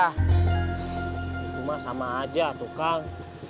itu mah sama aja tukang